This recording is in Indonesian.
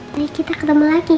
nanti kita ketemu lagi